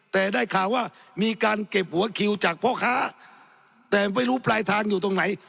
แต่ได้ข่าวว่ามีการเก็บหัวคิวจากพ่อค้าแต่ไม่รู้ปลายทางอยู่ตรงไหน